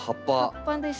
葉っぱですね。